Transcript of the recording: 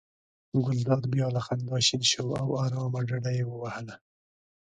ګلداد بیا له خندا شین شو او آرامه ډډه یې ووهله.